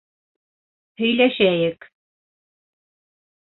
Һөйләшәйек...